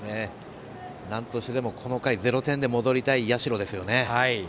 なんとしてでもこの回０点で戻りたい社ですよね。